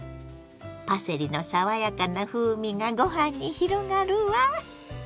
パセリの爽やかな風味がご飯に広がるわ。